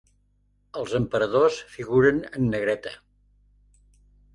Els emperadors figuren en negreta.